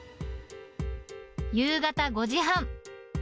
夕方５時半。